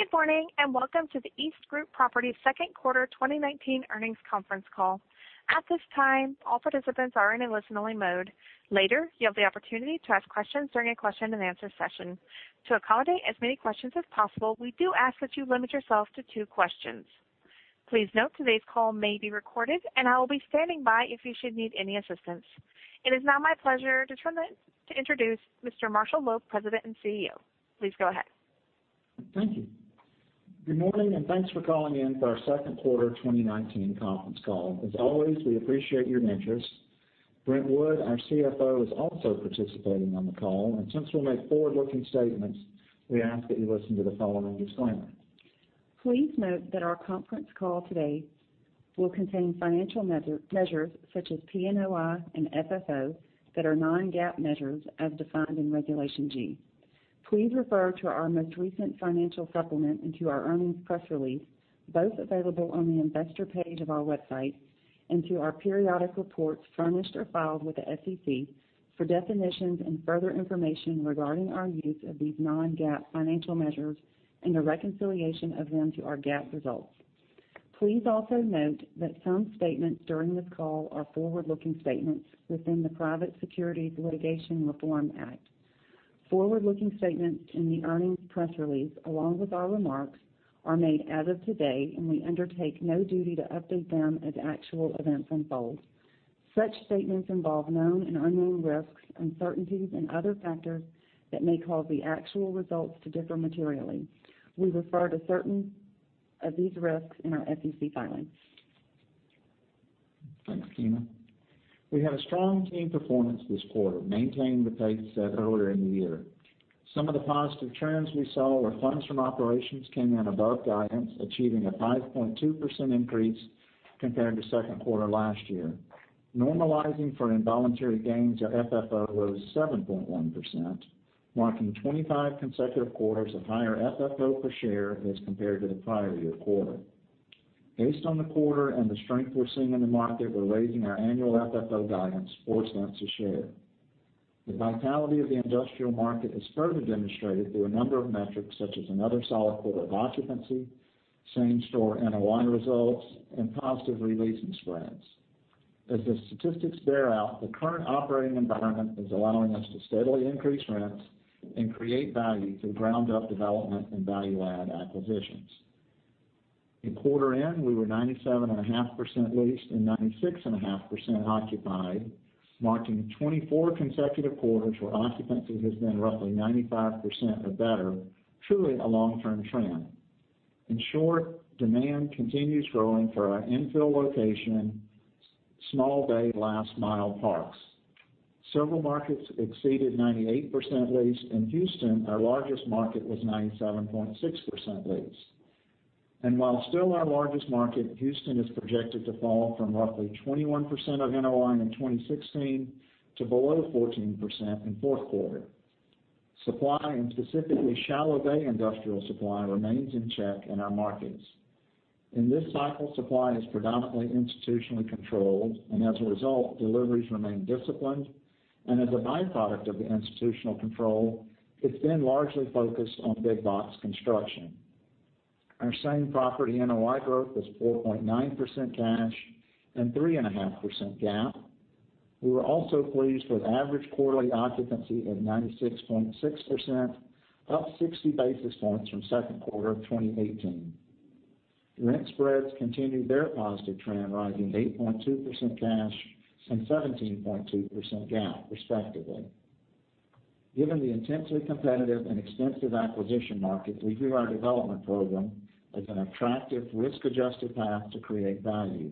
Good morning, welcome to the EastGroup Properties second quarter 2019 earnings conference call. At this time, all participants are in a listening mode. Later, you have the opportunity to ask questions during a question-and-answer session. To accommodate as many questions as possible, we do ask that you limit yourself to two questions. Please note, today's call may be recorded, and I will be standing by if you should need any assistance. It is now my pleasure to introduce Mr. Marshall Loeb, President and CEO. Please go ahead. Thank you. Good morning, and thanks for calling in for our second quarter 2019 conference call. As always, we appreciate your interest. Brent Wood, our CFO, is also participating on the call, since we'll make forward-looking statements, we ask that you listen to the following disclaimer. Please note that our conference call today will contain financial measures such as PNOI and FFO that are non-GAAP measures as defined in Regulation G. Please refer to our most recent financial supplement into our earnings press release, both available on the investor page of our website, and to our periodic reports furnished or filed with the SEC for definitions and further information regarding our use of these non-GAAP financial measures and the reconciliation of them to our GAAP results. Please also note that some statements during this call are forward-looking statements within the Private Securities Litigation Reform Act. Forward-looking statements in the earnings press release, along with our remarks, are made as of today, and we undertake no duty to update them as actual events unfold. Such statements involve known and unknown risks, uncertainties and other factors that may cause the actual results to differ materially. We refer to certain of these risks in our SEC filings. Thanks, Tina. We had a strong team performance this quarter, maintaining the pace set earlier in the year. Some of the positive trends we saw where funds from operations came in above guidance, achieving a 5.2% increase compared to second quarter last year. Normalizing for involuntary gains, our FFO rose 7.1%, marking 25 consecutive quarters of higher FFO per share as compared to the prior year quarter. Based on the quarter and the strength we're seeing in the market, we're raising our annual FFO guidance $0.40 a share. The vitality of the industrial market is further demonstrated through a number of metrics, such as another solid quarter of occupancy, same-store NOI results, and positive re-leasing spreads. As the statistics bear out, the current operating environment is allowing us to steadily increase rents and create value through ground-up development and value-add acquisitions. In quarter-end, we were 97.5% leased and 96.5% occupied, marking 24 consecutive quarters where occupancy has been roughly 95% or better, truly a long-term trend. In short, demand continues growing for our infill location, shallow-bay, last-mile parks. Several markets exceeded 98% leased. In Houston, our largest market, was 97.6% leased. While still our largest market, Houston is projected to fall from roughly 21% of NOI in 2016 to below 14% in fourth quarter. Supply, and specifically shallow-bay industrial supply, remains in check in our markets. In this cycle, supply is predominantly institutionally controlled, and as a result, deliveries remain disciplined, and as a byproduct of the institutional control, it's been largely focused on big box construction. Our same property NOI growth was 4.9% cash and 3.5% GAAP. We were also pleased with average quarterly occupancy of 96.6%, up 60 basis points from second quarter of 2018. Rent spreads continued their positive trend, rising 8.2% cash and 17.2% GAAP respectively. Given the intensely competitive and extensive acquisition market, we view our development program as an attractive risk-adjusted path to create value.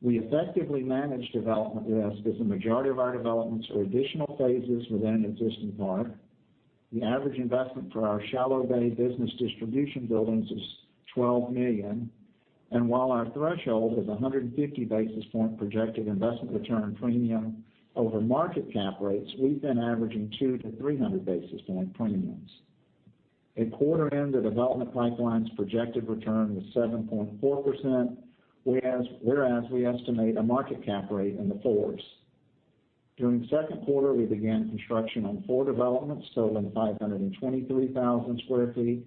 We effectively manage development risk as the majority of our developments are additional phases within an existing park. The average investment for our shallow-bay business distribution buildings is $12 million. While our threshold is 150 basis point projected investment return premium over market cap rates, we've been averaging 2 to 300 basis point premiums. At quarter end, the development pipeline's projected return was 7.4%, whereas we estimate a market cap rate in the fours. During second quarter, we began construction on four developments totaling 523,000 sq ft.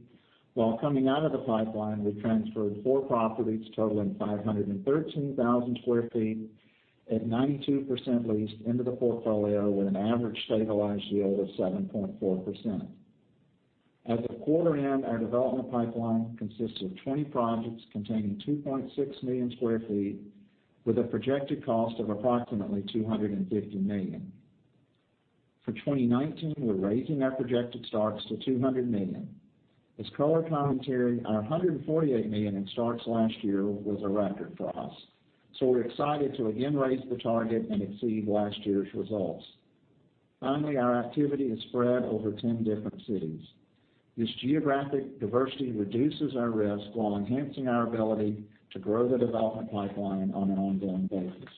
While coming out of the pipeline, we transferred four properties totaling 513,000 sq ft at 92% leased into the portfolio with an average stabilized yield of 7.4%. As of quarter end, our development pipeline consists of 20 projects containing 2.6 million square feet with a projected cost of approximately $250 million. For 2019, we're raising our projected starts to $200 million. As color commentary, our $148 million in starts last year was a record for us, so we're excited to again raise the target and exceed last year's results. Finally, our activity is spread over 10 different cities. This geographic diversity reduces our risk while enhancing our ability to grow the development pipeline on an ongoing basis.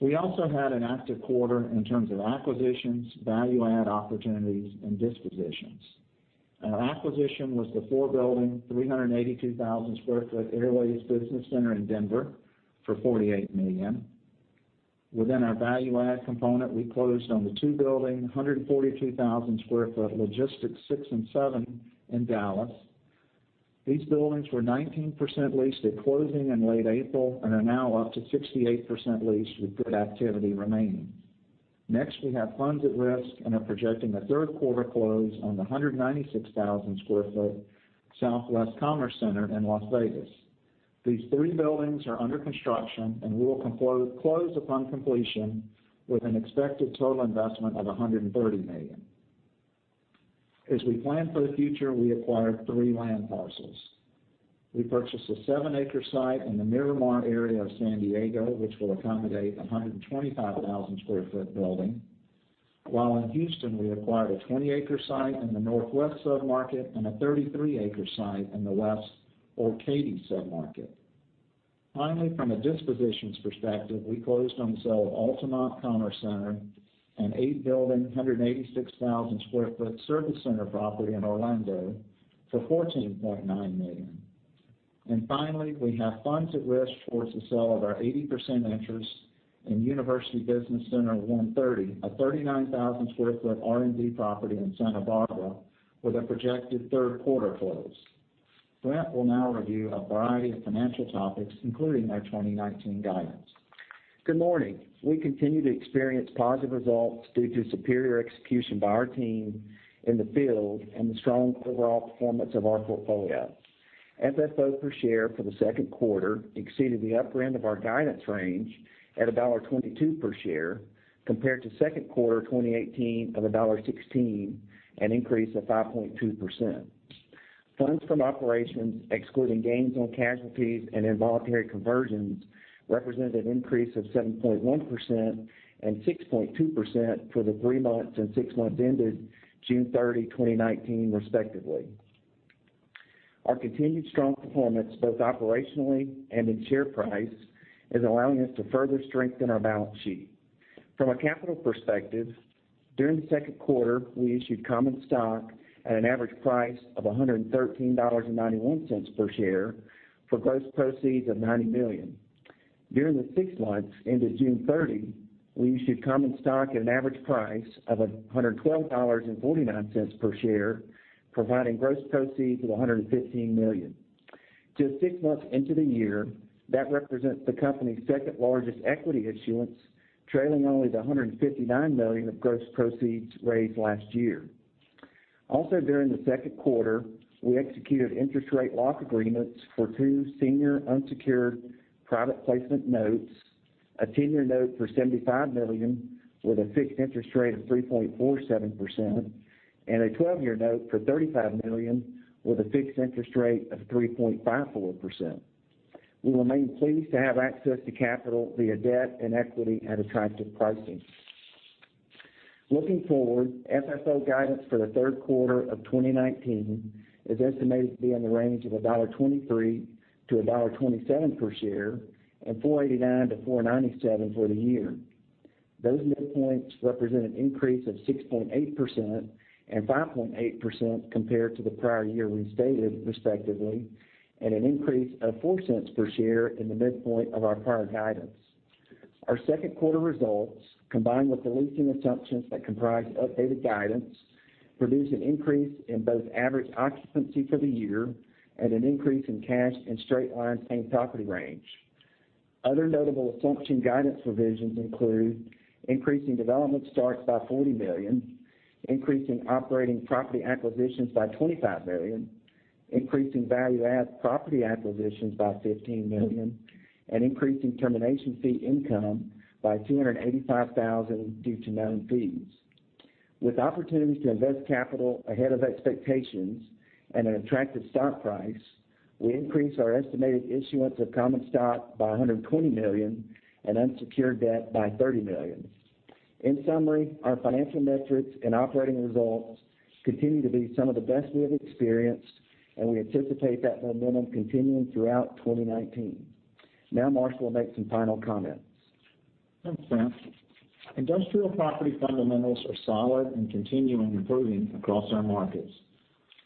We also had an active quarter in terms of acquisitions, value-add opportunities, and dispositions. Our acquisition was the four-building, 382,000 sq ft Airways Business Center in Denver for $48 million. Within our value-add component, we closed on the two-building, 142,000 sq ft Logistics 6 and 7 in Dallas. These buildings were 19% leased at closing in late April and are now up to 68% leased with good activity remaining. Next, we have funds at risk and are projecting a third quarter close on the 196,000 sq ft Southwest Commerce Center in Las Vegas. These three buildings are under construction, and we will close upon completion with an expected total investment of $130 million. As we plan for the future, we acquired three land parcels. We purchased a 7-acre site in the Miramar area of San Diego, which will accommodate 125,000 sq ft building. While in Houston, we acquired a 20-acre site in the Northwest submarket and a 33-acre site in the west or Katy submarket. Finally, from a disposition's perspective, we closed on the sale of Altamonte Commerce Center, an eight-building, 186,000 sq ft service center property in Orlando for $14.9 million. Finally, we have funds at risk towards the sale of our 80% interest in University Business Center 130,000 sq ft, a 39,000 sq ft R&D property in Santa Barbara with a projected third quarter close. Brent will now review a variety of financial topics, including our 2019 guidance. Good morning. We continue to experience positive results due to superior execution by our team in the field and the strong overall performance of our portfolio. FFO per share for the second quarter exceeded the upper end of our guidance range at $1.22 per share, compared to second quarter 2018 of $1.16, an increase of 5.2%. Funds from operations, excluding gains on casualties and involuntary conversions, represent an increase of 7.1% and 6.2% for the three months and six months ended June 30, 2019, respectively. Our continued strong performance, both operationally and in share price, is allowing us to further strengthen our balance sheet. From a capital perspective, during the second quarter, we issued common stock at an average price of $113.91 per share for gross proceeds of $90 million. During the six months ended June 30, we issued common stock at an average price of $112.49 per share, providing gross proceeds of $115 million. Just six months into the year, that represents the company's second-largest equity issuance, trailing only the $159 million of gross proceeds raised last year. Also, during the second quarter, we executed interest rate lock agreements for two senior unsecured private placement notes, a ten-year note for $75 million with a fixed interest rate of 3.47%, and a 12-year note for $35 million with a fixed interest rate of 3.54%. We remain pleased to have access to capital via debt and equity at attractive pricing. Looking forward, FFO guidance for the third quarter of 2019 is estimated to be in the range of $1.23-$1.27 per share and $4.89-$4.97 for the year. Those midpoints represent an increase of 6.8% and 5.8% compared to the prior year restated respectively, and an increase of $0.04 per share in the midpoint of our prior guidance. Our second quarter results, combined with the leasing assumptions that comprise updated guidance, produce an increase in both average occupancy for the year and an increase in cash and straight line same property range. Other notable assumption guidance provisions include increasing development starts by $40 million, increasing operating property acquisitions by $25 million, increasing value-add property acquisitions by $15 million, and increasing termination fee income by $285,000 due to known fees. With opportunities to invest capital ahead of expectations and an attractive stock price, we increased our estimated issuance of common stock by $120 million and unsecured debt by $30 million. In summary, our financial metrics and operating results continue to be some of the best we have experienced, and we anticipate that momentum continuing throughout 2019. Now Marshall will make some final comments. Thanks, Brent. Industrial property fundamentals are solid and continuing improving across our markets.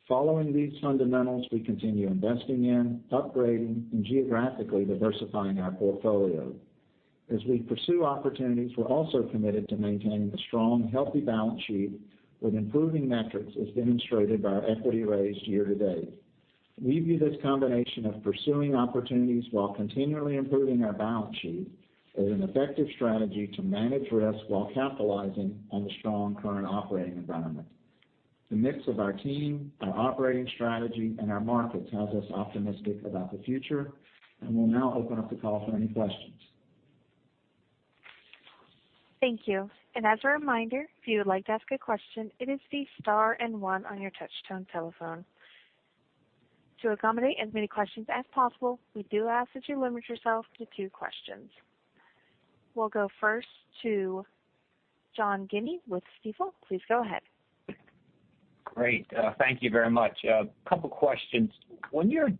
Following these fundamentals, we continue investing in, upgrading, and geographically diversifying our portfolio. As we pursue opportunities, we're also committed to maintaining a strong, healthy balance sheet with improving metrics as demonstrated by our equity raised year to date. We view this combination of pursuing opportunities while continually improving our balance sheet as an effective strategy to manage risk while capitalizing on the strong current operating environment. The mix of our team, our operating strategy, and our markets has us optimistic about the future, and we'll now open up the call for any questions. Thank you. As a reminder, if you would like to ask a question, it is the star and one on your touch-tone telephone. To accommodate as many questions as possible, we do ask that you limit yourself to two questions. We'll go first to John Guinee with Stifel. Please go ahead. Great. Thank you very much. A couple questions. When you're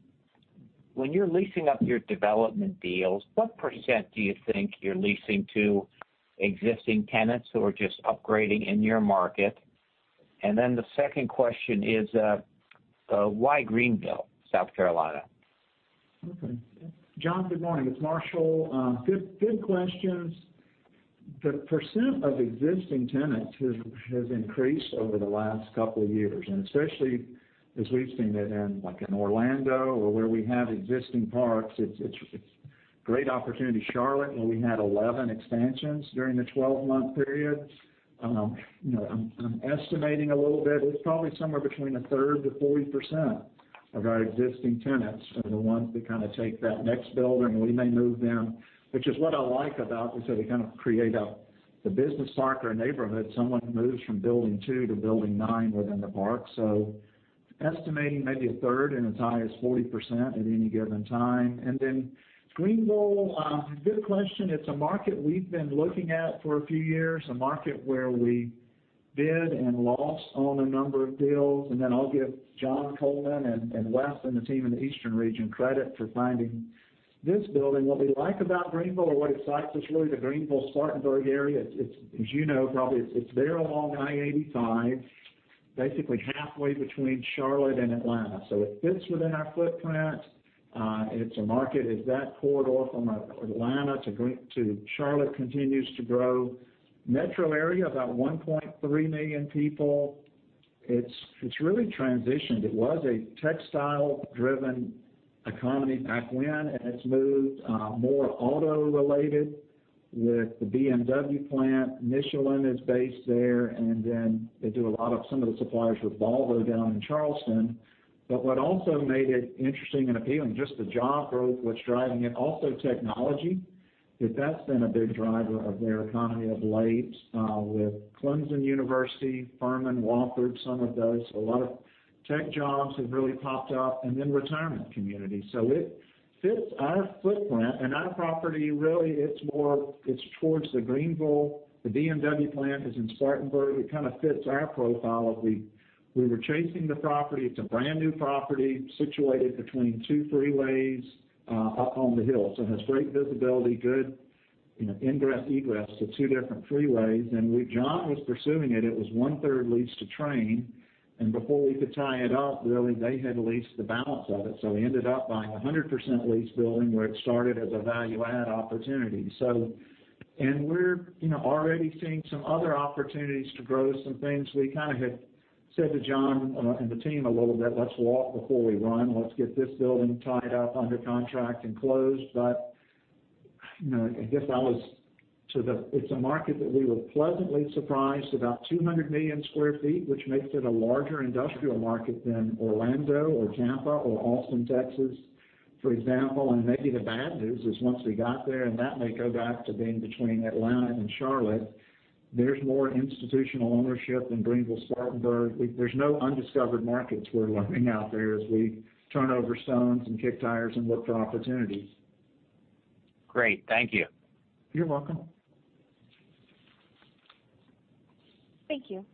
leasing up your development deals, what percent do you think you're leasing to existing tenants who are just upgrading in your market? The second question is, why Greenville, South Carolina? Okay. John, good morning. It's Marshall. Good questions. The percent of existing tenants has increased over the last couple of years. Especially as we've seen it in Orlando or where we have existing parks, it's a great opportunity. Charlotte, where we had 11 expansions during the 12-month period. I'm estimating a little bit, it's probably somewhere between a third to 40% of our existing tenants are the ones that take that next building. We may move them, which is what I like about this, that we kind of create the business park or a neighborhood. Someone who moves from building two to building nine within the park. Estimating maybe a third and as high as 40% at any given time. Greenville, good question. It's a market we've been looking at for a few years, a market where we bid and lost on a number of deals, and then I'll give John Coleman and Wes and the team in the eastern region credit for finding this building. What we like about Greenville or what excites us really, the Greenville-Spartanburg area, as you know, probably it's very along I-85, basically halfway between Charlotte and Atlanta. It fits within our footprint. It's a market as that corridor from Atlanta to Charlotte continues to grow. Metro area, about 1.3 million people. It's really transitioned. It was a textile-driven economy back when, and it's moved more auto-related with the BMW plant. Michelin is based there, and then they do some of the suppliers for Volvo down in Charleston. What also made it interesting and appealing, just the job growth, what's driving it, also technology, that's been a big driver of their economy of late, with Clemson University, Furman, Wofford, some of those. A lot of tech jobs have really popped up and then retirement communities. It fits our footprint and our property, really, it's towards the Greenville. The BMW plant is in Spartanburg. It kind of fits our profile as we were chasing the property. It's a brand-new property situated between two freeways up on the hill. It has great visibility, good ingress, egress to two different freeways. When John was pursuing it was 1/3 leased to Trane, and before we could tie it up, really, they had leased the balance of it. We ended up buying a 100% leased building where it started as a value-add opportunity. We're already seeing some other opportunities to grow some things. We kind of had said to John and the team a little bit, "Let's walk before we run. Let's get this building tied up under contract and closed." It's a market that we were pleasantly surprised, about 200 million square feet, which makes it a larger industrial market than Orlando or Tampa or Austin, Texas, for example. Maybe the bad news is once we got there, and that may go back to being between Atlanta and Charlotte, there's more institutional ownership in Greenville, Spartanburg. There's no undiscovered markets we're learning out there as we turn over stones and kick tires and look for opportunities. Great. Thank you. You're welcome. Thank you.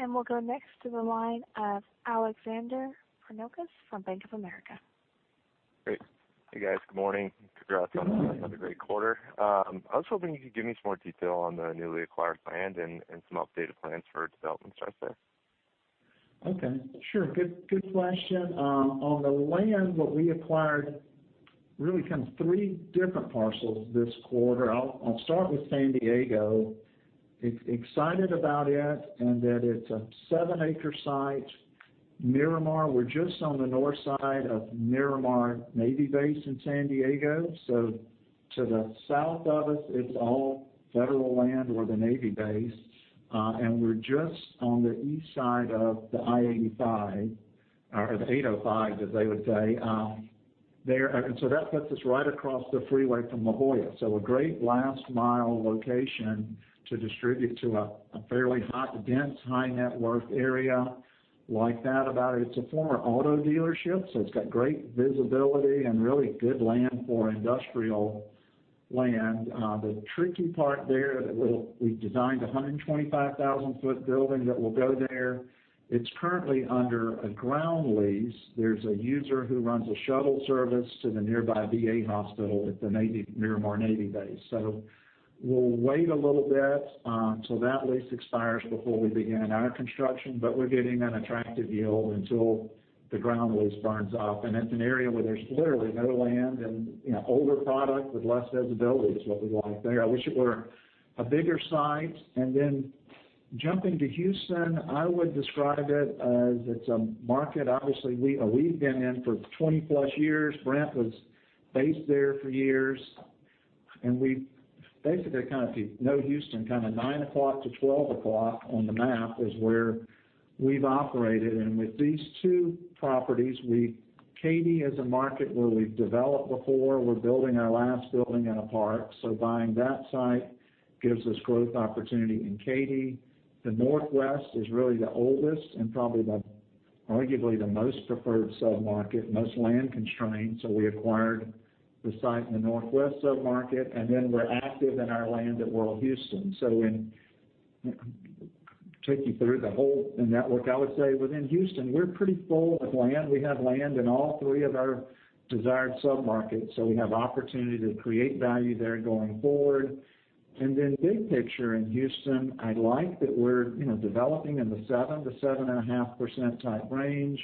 We'll go next to the line of Alexander Pernokas from Bank of America. Great. Hey, guys. Good morning. Congrats on another great quarter. I was hoping you could give me some more detail on the newly acquired land and some updated plans for development starts there. Okay, sure. Good question. On the land, what we acquired, really kind of three different parcels this quarter. I'll start with San Diego. Excited about it, that it's a seven-acre site. Miramar, we're just on the north side of Miramar Navy base in San Diego. To the south of us, it's all federal land or the Navy base. We're just on the east side of the I-85, or the 805, as they would say. That puts us right across the freeway from La Jolla. A great last-mile location to distribute to a fairly hot, dense, high net worth area like that. It's a former auto dealership, so it's got great visibility and really good land for industrial land. The tricky part there, that we designed a 125,000 sq ft building that will go there. It's currently under a ground lease. There's a user who runs a shuttle service to the nearby VA hospital at the Miramar Navy base. We'll wait a little bit till that lease expires before we begin our construction, but we're getting an attractive yield until the ground lease burns off. It's an area where there's literally no land and older product with less visibility is what we like there. I wish it were a bigger site. Jumping to Houston, I would describe it as it's a market, obviously, we've been in for 20+ years. Brent was based there for years, and we basically kind of know Houston. Kind of nine o'clock to 12 o'clock on the map is where we've operated. With these two properties, Katy is a market where we've developed before. We're building our last building in a park. Buying that site gives us growth opportunity in Katy. The Northwest is really the oldest and probably arguably the most preferred submarket, most land-constrained. We acquired the site in the Northwest submarket, and then we're active in our land at World Houston. When I take you through the whole network, I would say within Houston, we're pretty full of land. We have land in all three of our desired submarkets. We have opportunity to create value there going forward. Big picture in Houston, I like that we're developing in the 7%-7.5% type range.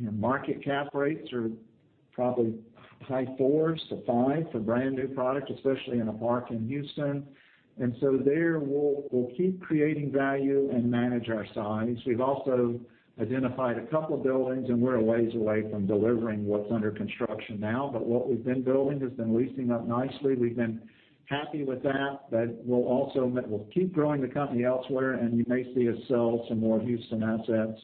Market cap rates are probably high fours to five for brand new product, especially in a park in Houston. There, we'll keep creating value and manage our size. We've also identified a couple buildings, and we're a ways away from delivering what's under construction now, but what we've been building has been leasing up nicely. We've been happy with that, but we'll keep growing the company elsewhere, and you may see us sell some more Houston assets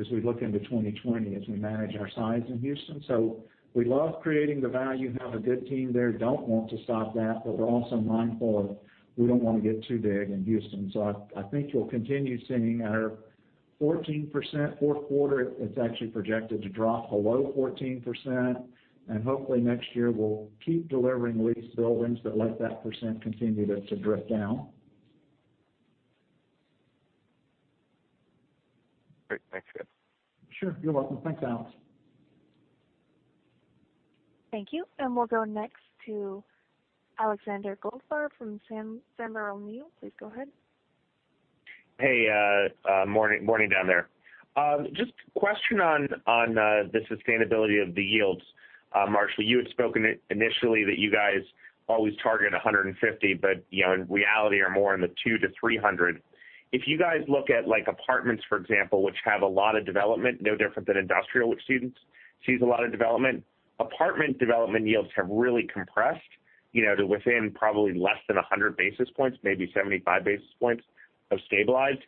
as we look into 2020, as we manage our size in Houston. We love creating the value, have a good team there, don't want to stop that, but we're also mindful of we don't want to get too big in Houston. I think you'll continue seeing our 14% fourth quarter, it's actually projected to drop below 14%, and hopefully next year we'll keep delivering leased buildings that let that percent continue to drift down. Great. Thanks, guys. Sure. You're welcome. Thanks, Alex. Thank you. We'll go next to Alexander Goldfarb from Sandler O'Neill. Please go ahead. Hey, morning down there. A question on the sustainability of the yields. Marshall, you had spoken initially that you guys always target 150, in reality are more in the 200-300. If you guys look at apartments, for example, which have a lot of development, no different than industrial, which sees a lot of development. Apartment development yields have really compressed, to within probably less than 100 basis points, maybe 75 basis points have stabilized.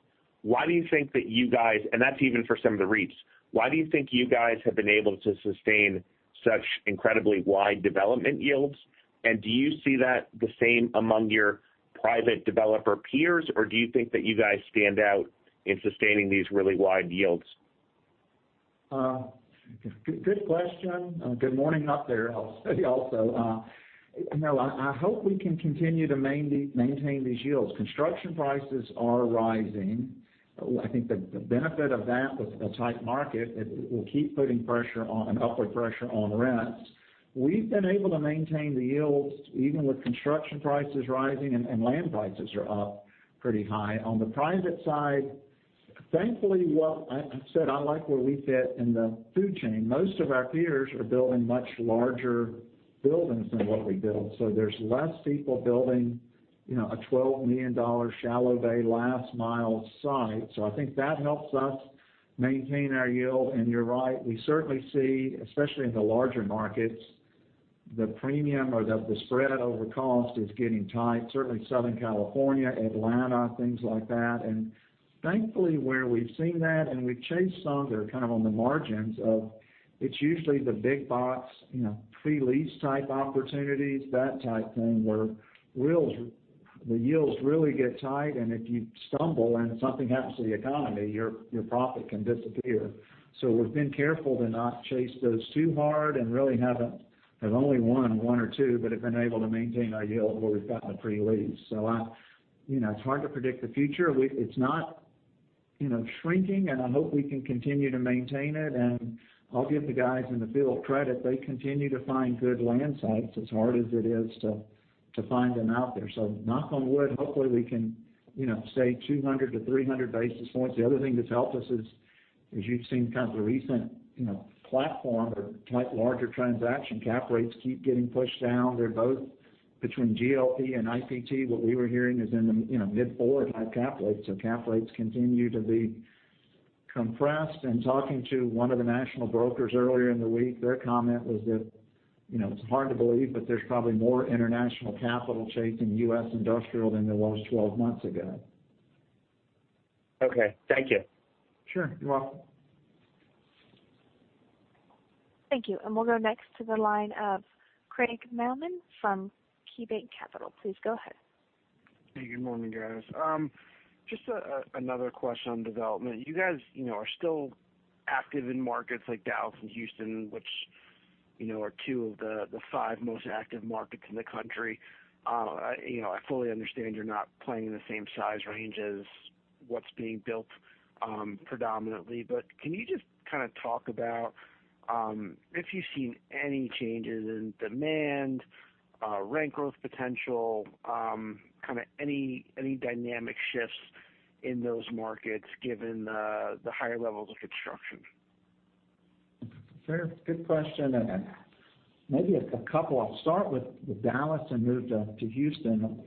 That's even for some of the REITs. Why do you think you guys have been able to sustain such incredibly wide development yields? Do you see that the same among your private developer peers, or do you think that you guys stand out in sustaining these really wide yields? Good question. Good morning up there, I'll say also. I hope we can continue to maintain these yields. Construction prices are rising. I think the benefit of that with a tight market, it will keep putting upward pressure on rents. We've been able to maintain the yields even with construction prices rising, and land prices are up pretty high. On the private side, thankfully, I said I like where we fit in the food chain. Most of our peers are building much larger buildings than what we build. There's less people building a $12 million shallow-bay, last-mile site. I think that helps us maintain our yield. You're right, we certainly see, especially in the larger markets, the premium or the spread over cost is getting tight. Certainly Southern California, Atlanta, things like that. Thankfully where we've seen that, and we've chased some that are kind of on the margins of, it's usually the big box, pre-lease type opportunities, that type thing, where the yields really get tight, and if you stumble and something happens to the economy, your profit can disappear. We've been careful to not chase those too hard and really have only won one or two, but have been able to maintain our yield where we've gotten the pre-lease. It's hard to predict the future. It's not shrinking, and I hope we can continue to maintain it. I'll give the guys in the field credit, they continue to find good land sites as hard as it is to find them out there. Knock on wood, hopefully we can stay 200-300 basis points. The other thing that's helped us is, as you've seen kind of the recent platform or larger transaction, cap rates keep getting pushed down. They're both between GLP and IPT. What we were hearing is in the mid four cap rates. Cap rates continue to be compressed. Talking to one of the national brokers earlier in the week, their comment was that it's hard to believe, but there's probably more international capital chasing U.S. industrial than there was 12 months ago. Okay. Thank you. Sure. You're welcome. Thank you. We'll go next to the line of Craig Mailman from KeyBanc Capital. Please go ahead. Hey, good morning, guys. Just another question on development. You guys are still active in markets like Dallas and Houston, which are two of the five most active markets in the country. I fully understand you're not playing in the same size range as what's being built predominantly, but can you just kind of talk about if you've seen any changes in demand, rent growth potential, kind of any dynamic shifts in those markets given the higher levels of construction? Sure. Good question, and maybe a couple. I'll start with Dallas and move to Houston.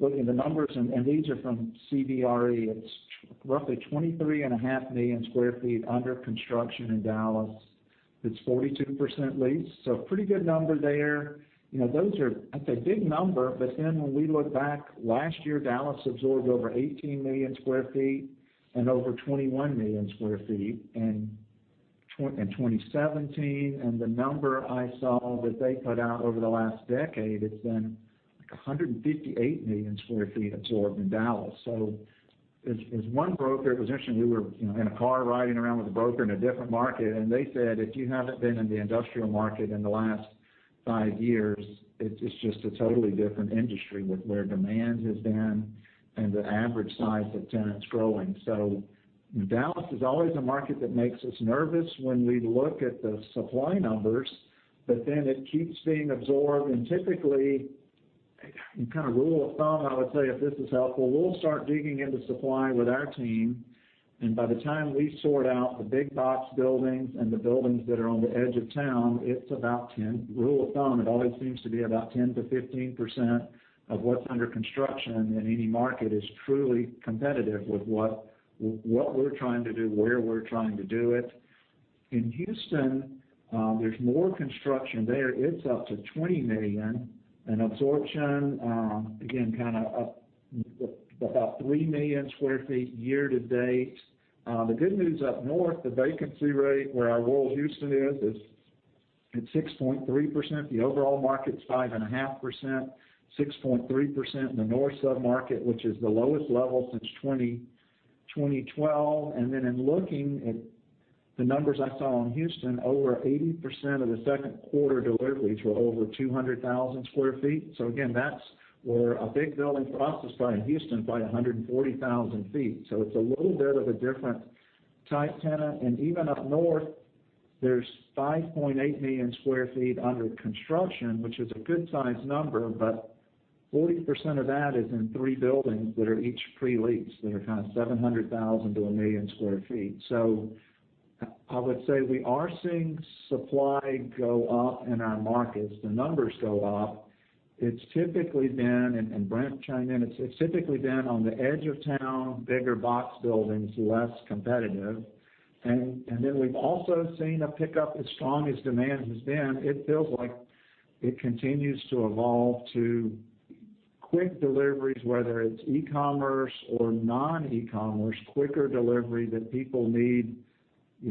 Looking at the numbers, and these are from CBRE, it's roughly 23.5 million square feet under construction in Dallas. It's 42% leased, so pretty good number there. That's a big number, but then when we look back last year, Dallas absorbed over 18 million square feet and over 21 million square feet in 2017. The number I saw that they put out over the last decade, it's been like 158 million square feet absorbed in Dallas. There's one broker, it was interesting, we were in a car riding around with a broker in a different market, and they said, "If you haven't been in the industrial market in the last five years, it's just a totally different industry with where demand has been and the average size of tenants growing." Dallas is always a market that makes us nervous when we look at the supply numbers, but then it keeps being absorbed. Typically, kind of rule of thumb, I would say, if this is helpful, we'll start digging into supply with our team, and by the time we sort out the big box buildings and the buildings that are on the edge of town, rule of thumb, it always seems to be about 10%-15% of what's under construction in any market is truly competitive with what we're trying to do, where we're trying to do it. In Houston, there's more construction there. It's up to 20 million in absorption. Again, kind of up about 3 million square feet year-to-date. The good news up north, the vacancy rate where our World Houston is at 6.3%. The overall market's 5.5%, 6.3% in the North sub-market, which is the lowest level since 2012. In looking at the numbers I saw in Houston, over 80% of the second quarter deliveries were over 200,000 sq ft. That's where a big building for us is by in Houston, by 140,000 sq ft. It's a little bit of a different type of tenant. Up north, there's 5.8 million square feet under construction, which is a good size number, but 40% of that is in three buildings that are each pre-leased, that are kind of 700,000-1 million square feet. I would say we are seeing supply go up in our markets. The numbers go up. It's typically been, and Brent chime in, it's typically been on the edge of town, bigger box buildings, less competitive. We've also seen a pickup as strong as demand has been. It feels like it continues to evolve to quick deliveries, whether it's e-commerce or non-e-commerce, quicker delivery, that people need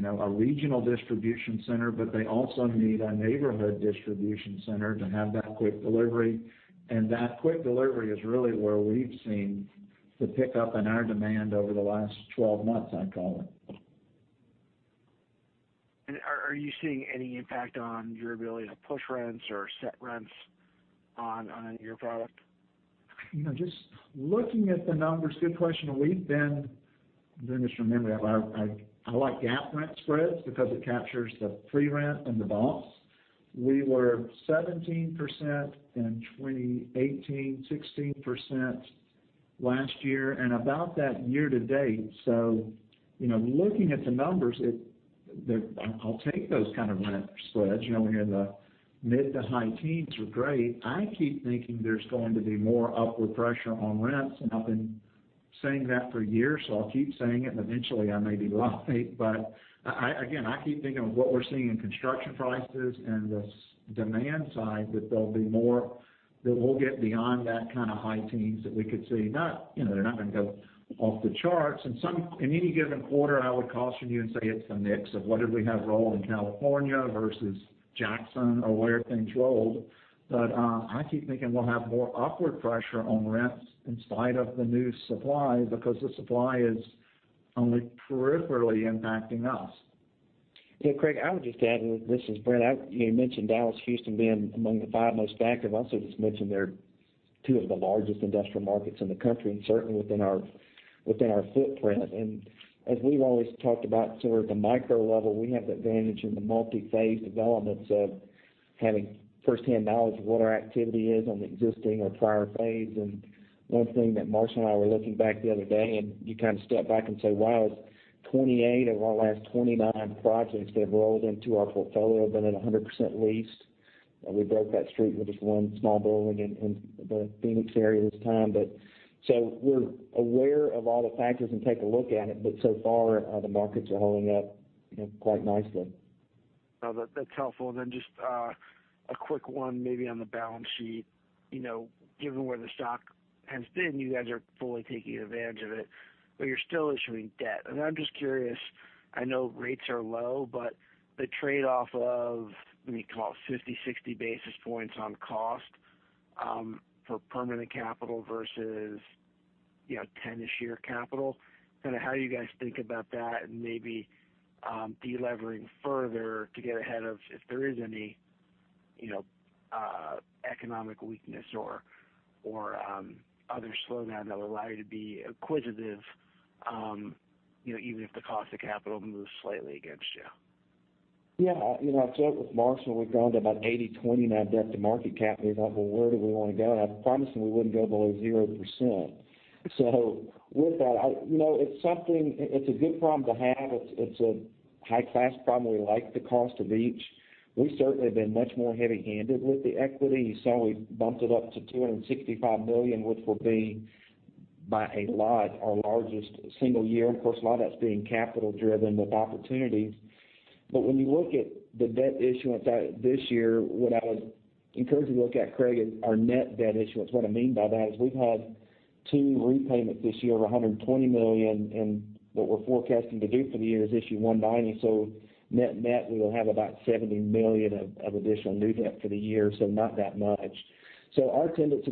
a regional distribution center, but they also need a neighborhood distribution center to have that quick delivery. That quick delivery is really where we've seen the pickup in our demand over the last 12 months, I'd call it. Are you seeing any impact on your ability to push rents or set rents on your product? Just looking at the numbers, good question. We've been doing this from memory. I like GAAP rent spreads because it captures the pre-rent and the box. We were 17% in 2018, 16% last year, and about that year to date. Looking at the numbers, I'll take those kinds of rent spreads. When you're in the mid to high teens are great. I keep thinking there's going to be more upward pressure on rents, and I've been saying that for years, so I'll keep saying it, and eventually I may be right. Again, I keep thinking of what we're seeing in construction prices and the demand side, that there'll be more, that we'll get beyond that kind of high teens that we could see. They're not going to go off the charts. In any given quarter, I would caution you and say it's a mix of what did we have roll in California versus Jackson or where things rolled. I keep thinking we'll have more upward pressure on rents in spite of the new supply because the supply is only peripherally impacting us. Yeah, Craig, I would just add, and this is Brent. You mentioned Dallas, Houston being among the five most active. I'll also just mention they're two of the largest industrial markets in the country and certainly within our footprint. As we've always talked about sort of the micro level, we have the advantage in the multi-phase developments of having first-hand knowledge of what our activity is on the existing or prior phase. One thing that Marshall and I were looking back on the other day, and you kind of step back and say, "Wow, 28 of our last 29 projects that have rolled into our portfolio have been at 100% leased." We broke that streak with just one small building in the Phoenix area this time. We're aware of all the factors and take a look at it, but so far, the markets are holding up quite nicely. No, that's helpful. Just a quick one, maybe on the balance sheet. Given where the stock has been, you guys are fully taking advantage of it, but you're still issuing debt. I'm just curious, I know rates are low, but the trade-off of, let me call it 50, 60 basis points on cost for permanent capital versus 10-ish year capital. Kind of how you guys think about that and maybe de-levering further to get ahead of if there is any economic weakness or other slowdown that would allow you to be acquisitive even if the cost of capital moves slightly against you. I've talked with Marshall. We've gone to about 80/20 now, debt to market cap, and we thought, "Well, where do we want to go?" I promised him we wouldn't go below 0%. With that, it's a good problem to have. It's a high-class problem. We like the cost of each. We've certainly been much more heavy-handed with the equity. You saw we bumped it up to $265 million, which will be by a lot our largest single year. Of course, a lot of that's being capital-driven with opportunities. When you look at the debt issuance this year, what I would encourage you to look at, Craig, is our net debt issuance. What I mean by that is we've had two repayments this year of $120 million, and what we're forecasting to do for the year is issue $190 million. Net-net, we will have about $70 million of additional new debt for the year, so not that much.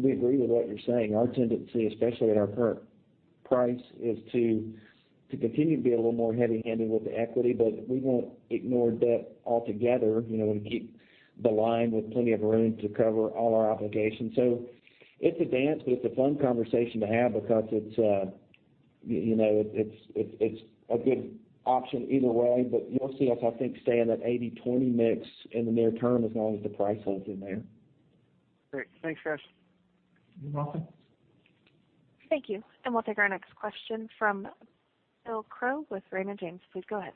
We agree with what you're saying. Our tendency, especially at our current price, is to continue to be a little more heavy-handed with the equity, but we won't ignore debt altogether. We keep the line with plenty of room to cover all our obligations. It's a dance, but it's a fun conversation to have because it's a good option either way, but you'll see us, I think, staying at 80-20 mix in the near term, as long as the price holds in there. Great. Thanks, guys. You're welcome. Thank you. We'll take our next question from Bill Crow with Raymond James. Please go ahead.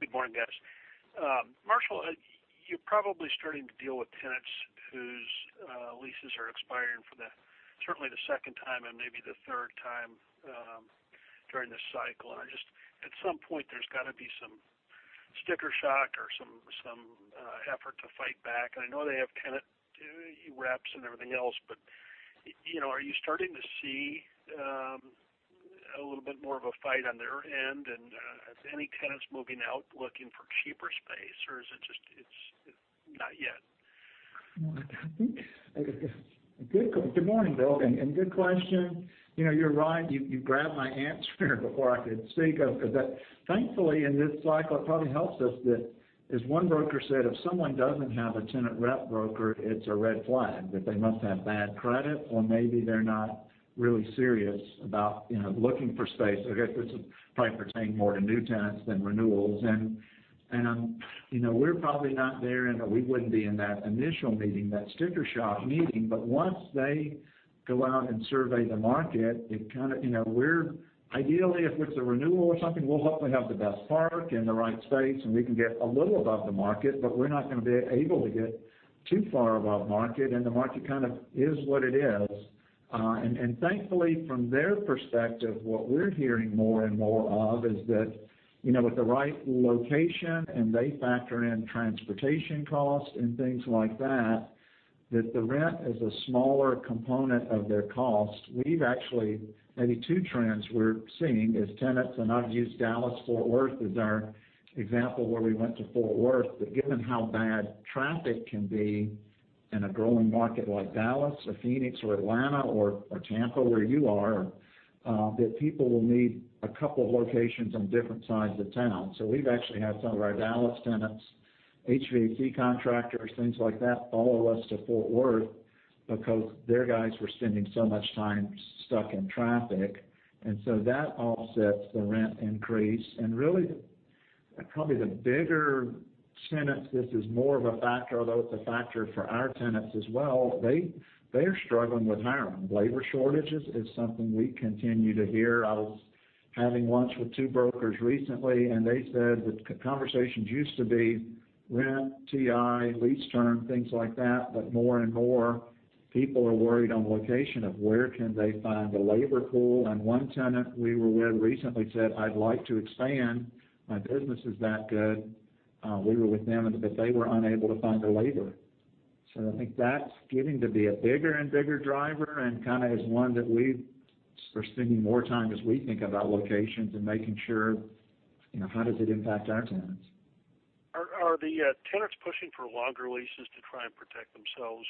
Good morning, guys. Marshall, you're probably starting to deal with tenants whose leases are expiring for certainly the second time and maybe the third time during this cycle. At some point, there's got to be some sticker shock or some effort to fight back. I know they have tenant reps and everything else, but are you starting to see a little bit more of a fight on their end? Are any tenants moving out looking for cheaper space, or is it just, it's not yet? Good morning, Bill. Good question. You're right. You grabbed my answer before I could speak. Thankfully, in this cycle, it probably helps us that as one broker said, if someone doesn't have a tenant rep broker, it's a red flag that they must have bad credit, or maybe they're not really serious about looking for space. I guess this is probably pertaining more to new tenants than renewals. We're probably not there in that we wouldn't be in that initial meeting, that sticker shock meeting. Once they go out and survey the market, ideally, if it's a renewal or something, we'll hopefully have the best park and the right space, and we can get a little above the market, but we're not going to be able to get too far above market. The market kind of is what it is. Thankfully, from their perspective, what we're hearing more and more of is that with the right location, and they factor in transportation costs and things like that the rent is a smaller component of their cost. Maybe two trends we're seeing is tenants, and I've used Dallas-Fort Worth as our example, where we went to Fort Worth. Given how bad traffic can be in a growing market like Dallas or Phoenix or Atlanta or Tampa where you are, that people will need a couple locations on different sides of town. We've actually had some of our Dallas tenants, HVAC contractors, things like that, follow us to Fort Worth because their guys were spending so much time stuck in traffic. That offsets the rent increase. Really, probably the bigger tenants, this is more of a factor, although it's a factor for our tenants as well. They are struggling with hiring. Labor shortages is something we continue to hear. I was having lunch with two brokers recently, and they said that conversations used to be rent, TI, lease term, things like that. More and more, people are worried on location of where can they find a labor pool. One tenant we were with recently said, "I'd like to expand. My business is that good." We were with them, but they were unable to find the labor. I think that's getting to be a bigger and bigger driver and kind of is one that we're spending more time as we think about locations and making sure, how does it impact our tenants? Are the tenants pushing for longer leases to try and protect themselves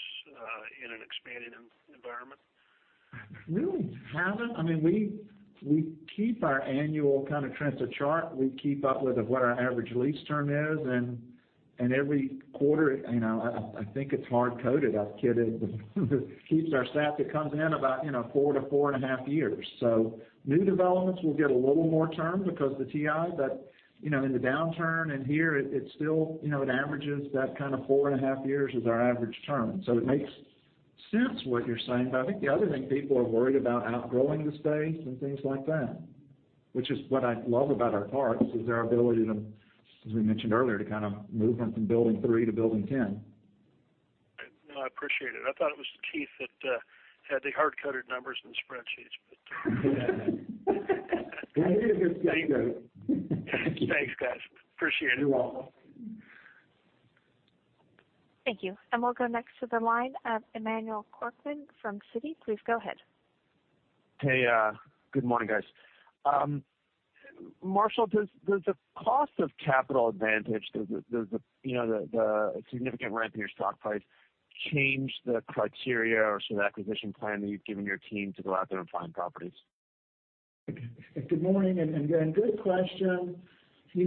in an expanding environment? Really haven't. We keep our annual kind of trends, a chart. We keep up with what our average lease term is. Every quarter, I think it's hard-coded. I kid. It keeps our staff. It comes in about four to four and a half years. New developments will get a little more term because of the TI. In the downturn and here, it averages that kind of four and a half years is our average term. It makes sense what you're saying. I think the other thing, people are worried about outgrowing the space and things like that, which is what I love about our parks, is our ability to, as we mentioned earlier, to kind of move them from building 3 to building 10. No, I appreciate it. I thought it was Keith that had the hard-coded numbers and spreadsheets, but- Maybe it is Brent, though. Thanks, guys. Appreciate it. You're welcome. Thank you. We'll go next to the line of Emmanuel Korchman from Citi. Please go ahead. Hey, good morning, guys. Marshall, does the cost of capital advantage, does the significant ramp in your stock price change the criteria or sort of acquisition plan that you've given your team to go out there and find properties? Good morning. Again, good question. We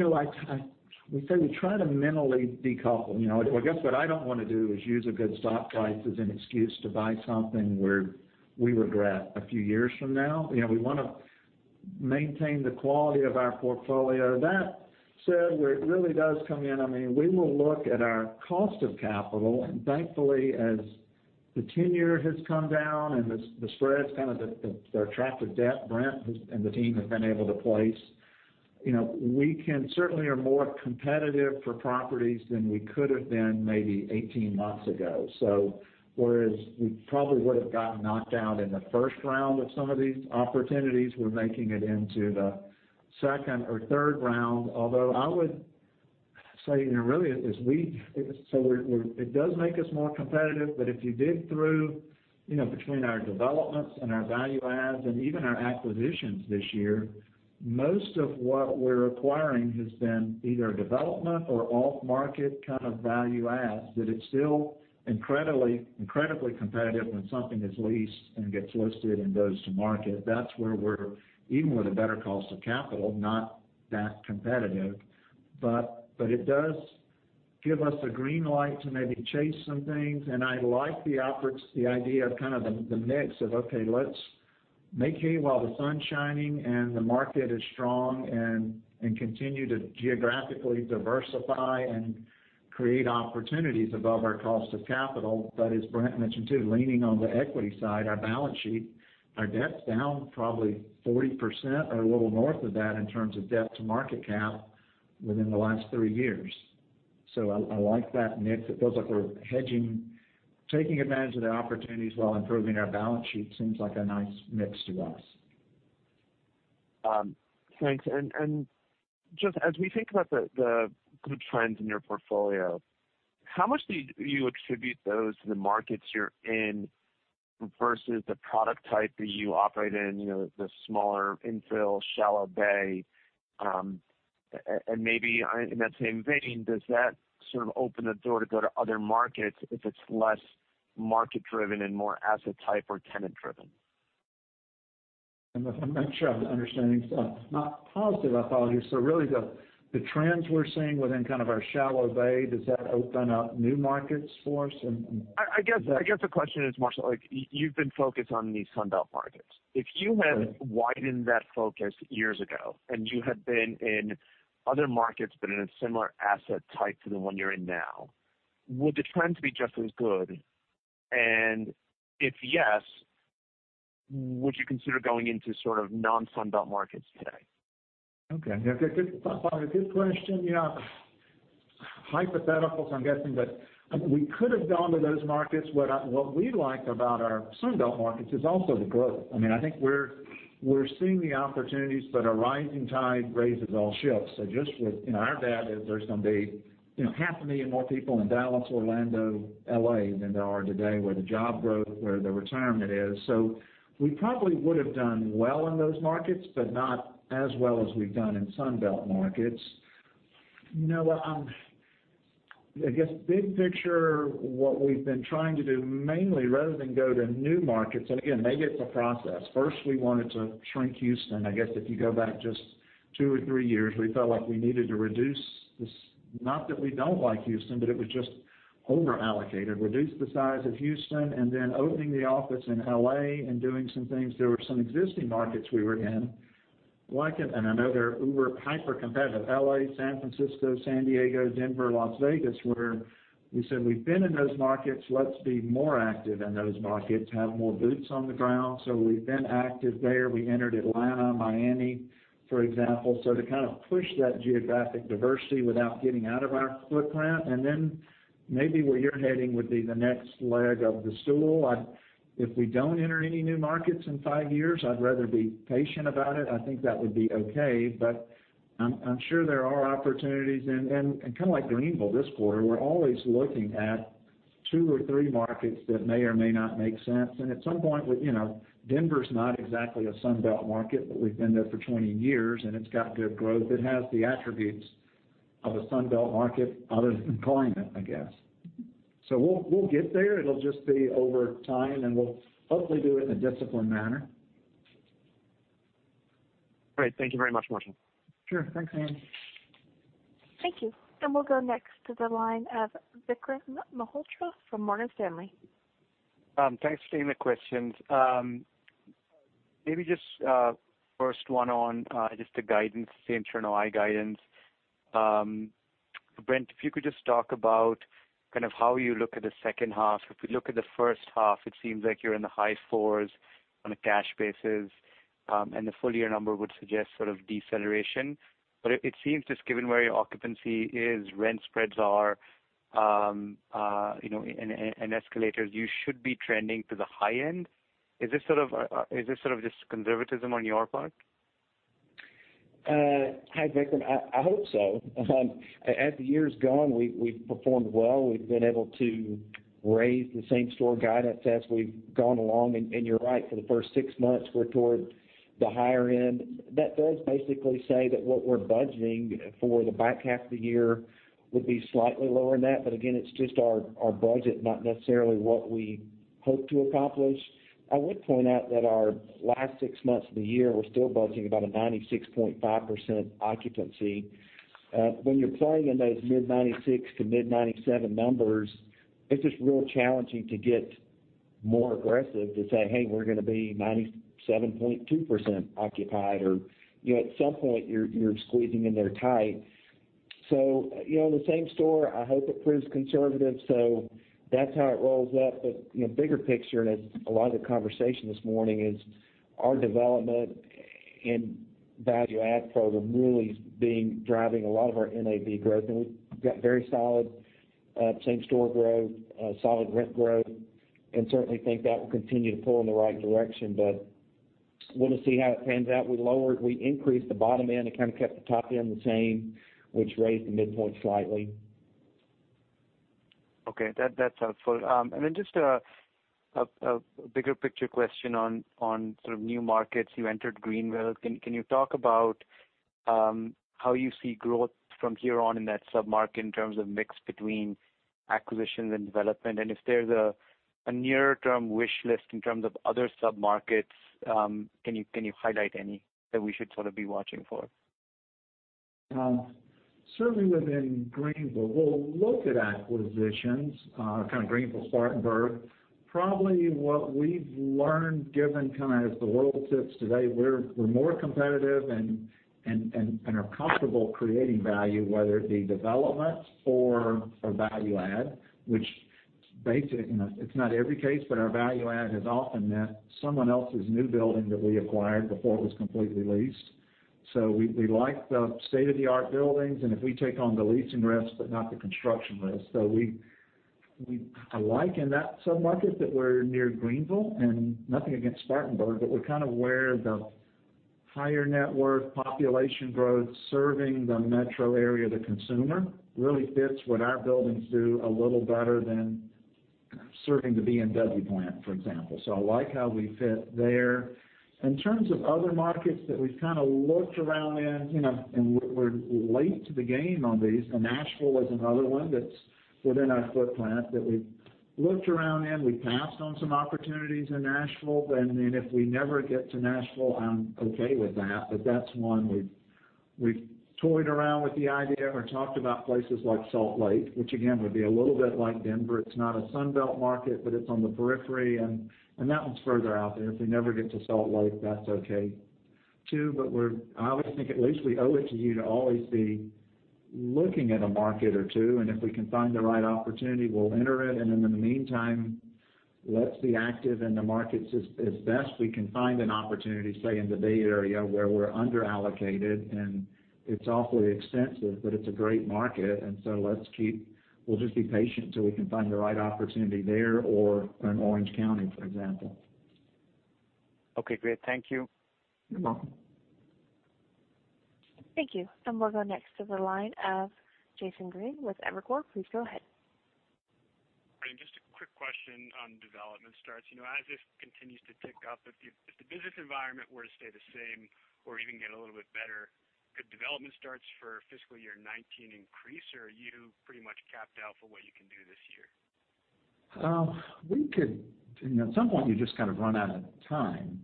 say we try to mentally decouple. I guess what I don't want to do is use a good stock price as an excuse to buy something where we regret a few years from now. We want to maintain the quality of our portfolio. That said, where it really does come in, we will look at our cost of capital, and thankfully, as the tenure has come down and the spreads, kind of the attractive debt Brent and the team have been able to place. We certainly are more competitive for properties than we could have been maybe 18 months ago. Whereas we probably would have gotten knocked out in the first round of some of these opportunities, we're making it into the second or third round. I would say, really, it does make us more competitive. If you dig through between our developments and our value adds and even our acquisitions this year, most of what we're acquiring has been either development or off-market kind of value adds, that it's still incredibly competitive when something is leased and gets listed and goes to market. That's where we're, even with a better cost of capital, not that competitive. It does give us a green light to maybe chase some things. I like the idea of the mix of, okay, let's make hay while the sun's shining and the market is strong, and continue to geographically diversify and create opportunities above our cost of capital. As Brent mentioned too, leaning on the equity side, our balance sheet, our debt's down probably 40% or a little north of that in terms of debt to market cap within the last three years. I like that mix. It feels like we're hedging, taking advantage of the opportunities while improving our balance sheet. Seems like a nice mix to us. Thanks. Just as we think about the good trends in your portfolio, how much do you attribute those to the markets you're in versus the product type that you operate in, the smaller infill, shallow-bay? Maybe in that same vein, does that sort of open the door to go to other markets if it's less market-driven and more asset-type or tenant-driven? I'm not sure I'm understanding. Positive, I thought you said? Really the trends we're seeing within kind of our shallow-bay, does that open up new markets for us? I guess the question is more so like, you've been focused on these Sunbelt markets. Right. If you had widened that focus years ago, and you had been in other markets but in a similar asset type to the one you're in now, would the trends be just as good? If yes, would you consider going into sort of non-Sunbelt markets today? Okay. Yeah. Good question. Hypothetical, I'm guessing that we could have gone to those markets. What we like about our Sunbelt markets is also the growth. I think we're seeing the opportunities, but a rising tide raises all ships. Just with our data, there's going to be half a million more people in Dallas, Orlando, L.A. than there are today, where the job growth, where the retirement is. We probably would've done well in those markets, but not as well as we've done in Sunbelt markets. I guess big picture, what we've been trying to do, mainly, rather than go to new markets. Again, they get the process. First, we wanted to shrink Houston. I guess if you go back just two or three years, we felt like we needed to reduce, not that we don't like Houston, but it was just over-allocated. Reduce the size of Houston, and then opening the office in L.A. and doing some things. There were some existing markets we were in, like I know they're uber hyper-competitive, L.A., San Francisco, San Diego, Denver, Las Vegas, where we said, "We've been in those markets. Let's be more active in those markets, have more boots on the ground." We've been active there. We entered Atlanta, Miami, for example. To kind of push that geographic diversity without getting out of our footprint. Then maybe where you're heading would be the next leg of the stool. If we don't enter any new markets in five years, I'd rather be patient about it. I think that would be okay. I'm sure there are opportunities. Kind of like Greenville this quarter, we're always looking at two or three markets that may or may not make sense. At some point, Denver's not exactly a Sunbelt market, but we've been there for 20 years, and it's got good growth. It has the attributes of a Sunbelt market other than climate, I guess. We'll get there. It'll just be over time, and we'll hopefully do it in a disciplined manner. Great. Thank you very much, Marshall. Sure. Thanks, Emman. Thank you. We'll go next to the line of Vikram Malhotra from Morgan Stanley. Just first one on just the guidance, the internal FFO guidance. Brent, if you could just talk about kind of how you look at the second half. If we look at the first half, it seems like you're in the high 4s on a cash basis, and the full-year number would suggest sort of deceleration. It seems just given where your occupancy is, rent spreads are, and escalators, you should be trending to the high end. Is this sort of just conservatism on your part? Hi, Vikram. I hope so. As the year's gone, we've performed well. We've been able to raise the same store guidance as we've gone along. You're right, for the first six months, we're toward the higher end. That does basically says that what we're budgeting for the back half of the year would be slightly lower than that. Again, it's just our budget, not necessarily what we hope to accomplish. I would point out that our last six months of the year, we're still budgeting about a 96.5% occupancy. When you're playing in that mid-96 to mid-97 numbers, it's just really challenging to get more aggressive to say, "Hey, we're going to be 97.2% occupied." At some point, you're squeezing in there tight. The same store, I hope it proves conservative, so that's how it rolls up. Bigger picture, and as a lot of the conversation this morning is our development and value add program really driving a lot of our NAV growth. We've got very solid same-store growth, solid rent growth, and certainly think that will continue to pull in the right direction. We'll see how it pans out. We increased the bottom end and kind of kept the top end the same, which raised the midpoint slightly. Okay. That's helpful. Just a bigger picture question on sort of new markets. You entered Greenville. Can you talk about how you see growth from here on in that sub-market in terms of mix between acquisitions and development, and if there's a near-term wish list in terms of other sub-markets, can you highlight any that we should sort of be watching for? Certainly, within Greenville. We'll look at acquisitions, kind of Greenville, Spartanburg. Probably what we've learned, given kind of the world sits today, we're more competitive and are comfortable creating value, whether it be development or value add, which basically, it's not every case, but our value add has often meant someone else's new building that we acquired before it was completely leased. We like the state-of-the-art buildings, and if we take on the leasing risk but not the construction risk. We like in that sub-market that we're near Greenville, and nothing against Spartanburg, but we're kind of where the higher net worth population growth serving the metro area, the consumer, really fits what our buildings do a little better than serving the BMW plant, for example. I like how we fit there. In terms of other markets that we've kind of looked around in, and we're late to the game on these, Nashville is another one that's within our footprint that we've looked around in. We passed on some opportunities in Nashville, and if we never get to Nashville, I'm okay with that. That's one we've toyed around with the idea or talked about places like Salt Lake, which again, would be a little bit like Denver. It's not a Sunbelt market, but it's on the periphery, and that one's further out there. If we never get to Salt Lake, that's okay, too. I always think at least we owe it to you to always be looking at a market or two, and if we can find the right opportunity, we'll enter it. In the meantime, let's be active in the markets as best we can. Find an opportunity, say, in the Bay Area where we're under-allocated, and it's awfully expensive, but it's a great market. We'll just be patient till we can find the right opportunity there or in Orange County, for example. Okay, great. Thank you. You're welcome. Thank you. We'll go next to the line of Jason Green with Evercore. Please go ahead. Just a quick question on development starts. As this continues to tick up, if the business environment were to stay the same or even get a little bit better, could development starts for fiscal year 2019 increase, or are you pretty much capped out for what you can do this year? At some point, you just kind of run out of time.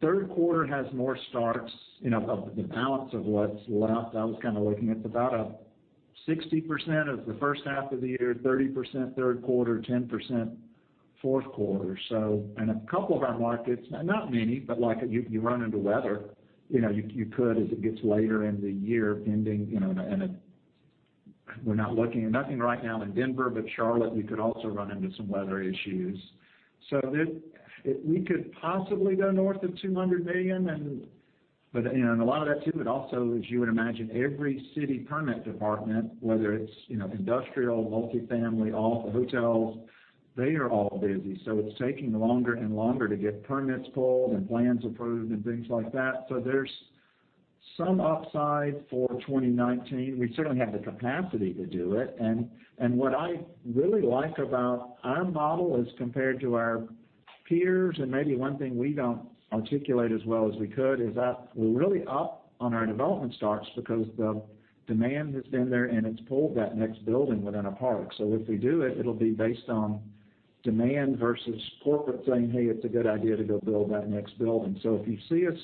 Third quarter has more starts of the balance of what's left. I was kind of looking at about 60% of the first half of the year, 30% third quarter, 10% fourth quarter. A couple of our markets, not many, but like you run into weather. You could, as it gets later into the year, pending, we're not looking at nothing right now in Denver, but Charlotte, we could also run into some weather issues. We could possibly go north of $200 million. A lot of that, too, also as you would imagine, every city permit department, whether it's industrial, multi-family, or hotels, they are all busy. It's taking longer and longer to get permits pulled, and plans approved and things like that. There's some upside for 2019. We certainly have the capacity to do it. What I really like about our model as compared to our peers, and maybe one thing we don't articulate as well as we could, is that we're really up on our development starts because the demand has been there, and it's pulled that next building within a park. If we do it'll be based on demand versus corporate saying, "Hey, it's a good idea to go build that next building." If you see us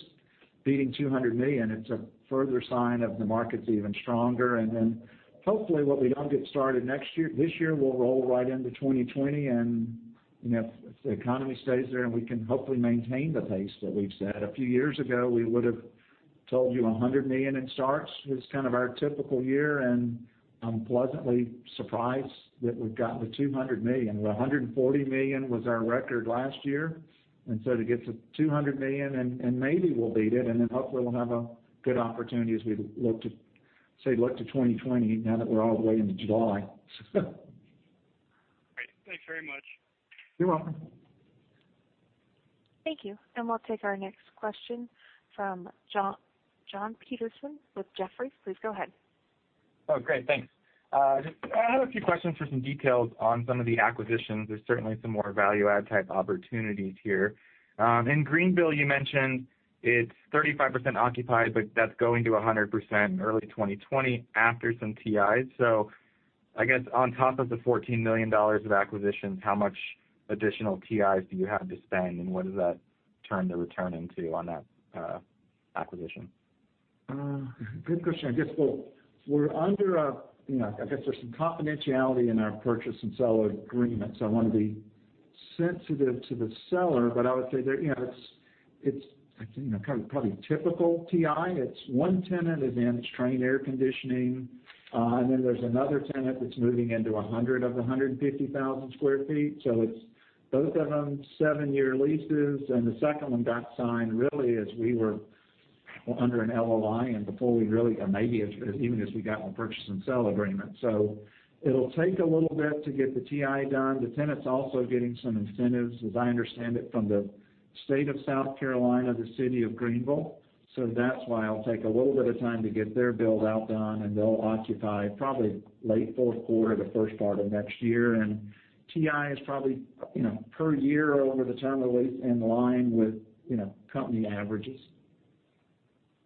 beating $200 million, it's a further sign of the market's even stronger. Then hopefully what we don't get started this year will roll right into 2020. If the economy stays there, and we can hopefully maintain the pace that we've set. A few years ago, we would've told you $100 million in starts was kind of our typical year, and I'm pleasantly surprised that we've gotten to $200 million. $140 million was our record last year. To get to $200 million, and maybe we'll beat it, and then hopefully we'll have a good opportunity as we say look to 2020 now that we're all the way into July. Great. Thanks very much. You're welcome. Thank you. We'll take our next question from Jon Petersen with Jefferies. Please go ahead. Oh, great. Thanks. I have a few questions for some details on some of the acquisitions. There's certainly some more value add type opportunities here. In Greenville, you mentioned it's 35% occupied, but that's going to 100% in early 2020 after some TIs. I guess on top of the $14 million of acquisitions, how much additional TIs do you have to spend, and what does that turn the return into on that acquisition? Good question. I guess there's some confidentiality in our purchase and sale agreement, so I want to be sensitive to the seller, but I would say it's kind of probably typical TI. It's one tenant is in, it's Trane air conditioning. Then there's another tenant that's moving into 100,000 of 150,000 sq ft. It's both of them, seven-year leases. The second one got signed really as we were under an LOI or maybe even as we got one purchase and sale agreement. It'll take a little bit to get the TI done. The tenant's also getting some incentives, as I understand it, from the State of South Carolina, the City of Greenville. That's why it'll take a little bit of time to get their build-out done, and they'll occupy probably late fourth quarter, the first part of next year. TI is probably, per year over the term of the lease, in line with company averages.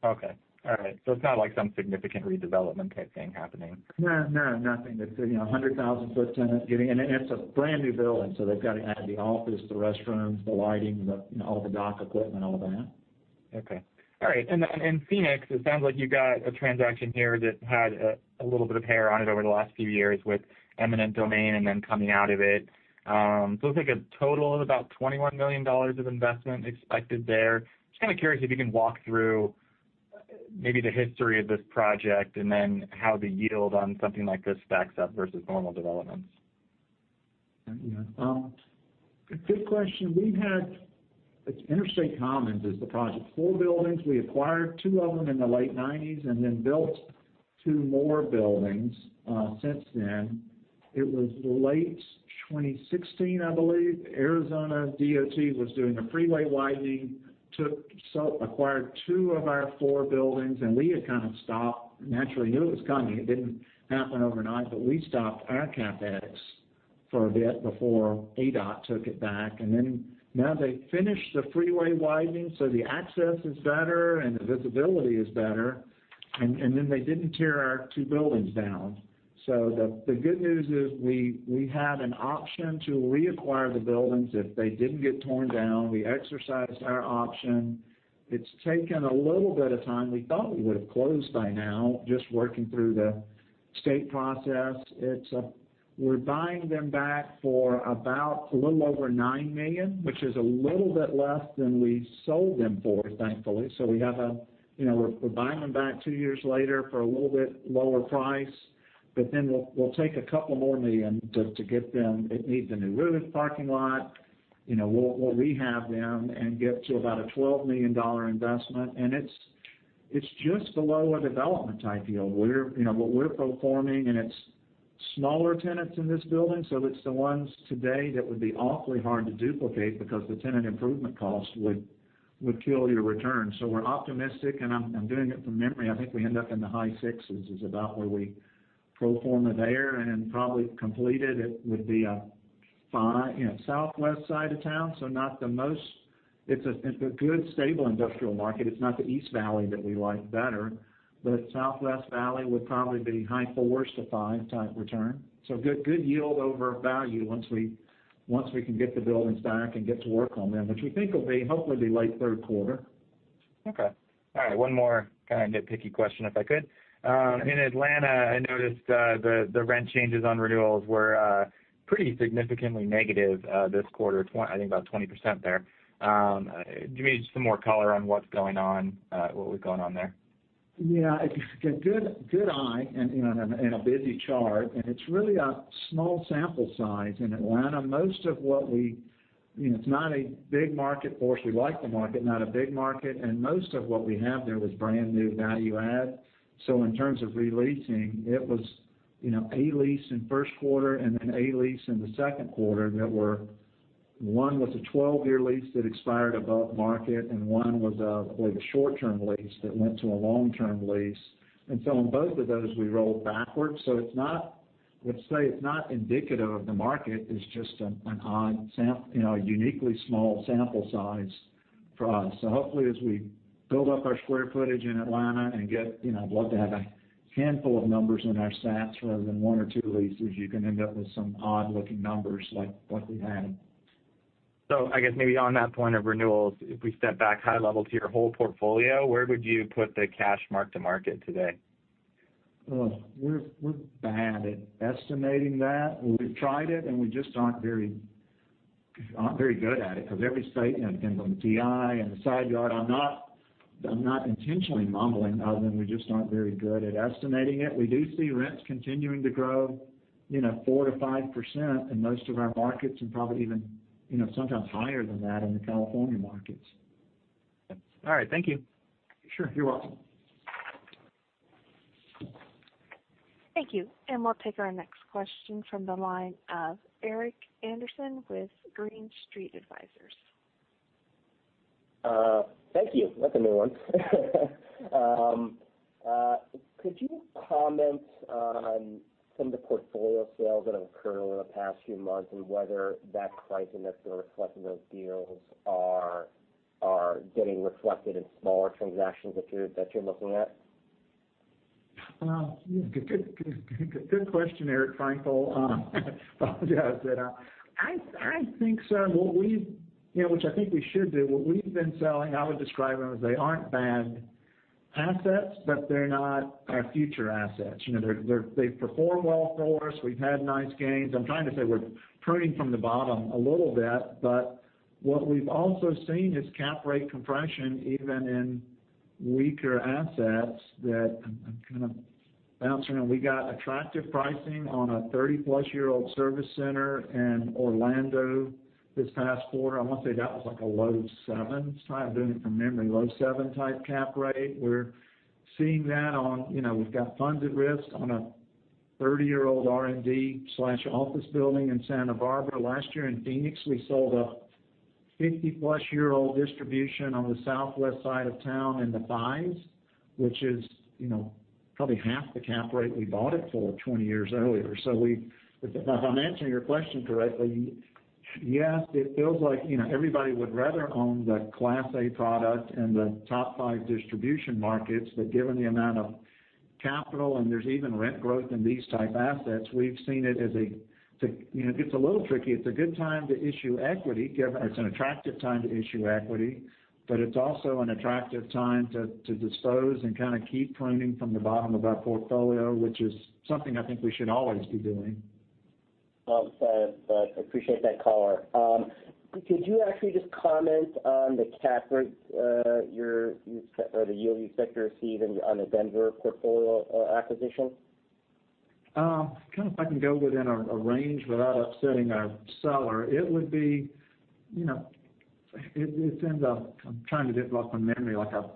Okay. All right. It's not like some significant redevelopment type thing happening. No, nothing. It's 100,000 sq ft tenant. It's a brand-new building. They've got to add the office, the restrooms, the lighting, all the dock equipment, all that. Okay. All right. In Phoenix, it sounds like you got a transaction here that had a little bit of hair on it over the last few years with eminent domain and then coming out of it. It's like a total of about $21 million of investment expected there. Just kind of curious if you can walk through maybe the history of this project and then how the yield on something like this stacks up versus normal developments. Yeah. Good question. Interstate Commons is the project. Four buildings, we acquired two of them in the late 1990s and then built two more buildings since then. It was late 2016, I believe. Arizona DOT was doing a freeway widening, acquired two of our four buildings, and we had kind of stopped. Naturally, we knew it was coming. It didn't happen overnight, but we stopped our CapEx for a bit before ADOT took it back. Now they've finished the freeway widening, so the access is better and the visibility is better. They didn't tear our two buildings down. The good news is we had an option to reacquire the buildings if they didn't get torn down. We exercised our option. It's taken a little bit of time. We thought we would've closed by now, just working through the state process. We're buying them back for about a little over $9 million, which is a little bit less than we sold them for, thankfully. We're buying them back two years later for a little bit lower price, but then we'll take a couple more million to get them. It needs a new roof, parking lot. We'll rehab them and get to about a $12 million investment. It's just below a development-type deal. What we're pro forming, and it's smaller tenants in this building, so it's the ones today that would be awfully hard to duplicate because the tenant improvement cost would kill your return. We're optimistic, and I'm doing it from memory. I think we end up in the high sixes, is about where we pro forma there, and then probably completed, it would be a five. Southwest side of town, so it's a good, stable industrial market. It's not the East Valley that we like better, Southwest Valley would probably be high fours to five type return. Good yield over value once we can get the buildings back and get to work on them, which we think will be hopefully be late third quarter. Okay. All right, one more kind of nitpicky question, if I could. In Atlanta, I noticed the rent changes on renewals were pretty significantly negative this quarter, I think about 20% there. Give me just some more color on what's going on there. It's really a small sample size in Atlanta. It's not a big market for us. We like the market, not a big market, and most of what we have there was brand new value add. In terms of re-leasing, it was a lease in first quarter and then a lease in the second quarter. One was a 12-year lease that expired above market, and one was, I believe, a short-term lease that went to a long-term lease. On both of those, we rolled backwards. I'd say it's not indicative of the market, it's just a uniquely small sample size for us. Hopefully, as we build up our square footage in Atlanta and get I'd love to have a handful of numbers in our stats rather than one or two leases. You can end up with some odd-looking numbers like what we had. I guess maybe on that point of renewals, if we step back high level to your whole portfolio, where would you put the cash mark to market today? We're bad at estimating that. We've tried it, and we just aren't very good at it because every state, depending on the TI and the side yard, I'm not intentionally mumbling, other than we just aren't very good at estimating it. We do see rents continuing to grow 4%-5% in most of our markets, and probably even sometimes higher than that in the California markets. All right. Thank you. Sure. You're welcome. Thank you. We'll take our next question from the line of Eric Anderson with Green Street Advisors. Thank you. That's a new one. Could you comment on some of the portfolio sales that have occurred over the past few months, and whether the pricing that you're reflecting those deals are getting reflected in smaller transactions that you're looking at? Good question, Eric. Thank you. I apologize. I think so. Which I think we should do. What we've been selling, I would describe them as they aren't bad assets, but they're not our future assets. They've performed well for us. We've had nice gains. I'm trying to say we're pruning from the bottom a little bit, but what we've also seen is cap rate compression even in weaker assets that I'm kind of bouncing on. We got attractive pricing on a 30+ year old service center in Orlando this past quarter. I want to say that was like a low sevens. I'm doing it from memory. Low 7 type cap rate. We've got funds at risk on a 30-year-old R&D/office building in Santa Barbara. Last year in Phoenix, we sold a 50+ year old distribution on the southwest side of town in the fives, which is probably half the cap rate we bought it for 20 years earlier. If I'm answering your question correctly. Yes, it feels like everybody would rather own the class A product in the top five distribution markets. Given the amount of capital, and there's even rent growth in these types of assets, we've seen it gets a little tricky. It's an attractive time to issue equity, but it's also an attractive time to dispose and kind of keep cleaning from the bottom of our portfolio, which is something I think we should always be doing. Well said. I appreciate that color. Could you actually just comment on the cap rate, or the yield you expect to receive on the Denver portfolio acquisition? If I can go within a range without upsetting our seller, I'm trying to dig up my memory, like a